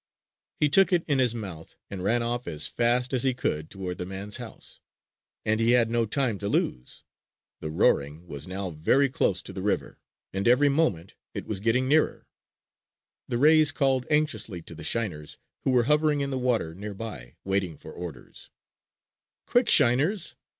He took it in his mouth and ran off as fast as he could toward the man's house. And he had no time to lose. The roaring was now very close to the river and every moment it was getting nearer. The rays called anxiously to the shiners, who were hovering in the water nearby waiting for orders: "Quick, shiners!